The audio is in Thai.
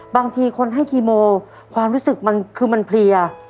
บางทีคนให้คีโมความรู้สึกมันคือมันเพลีย